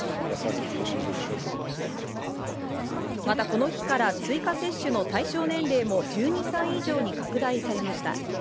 また、この日から追加接種の対象年齢も１２歳以上に拡大されました。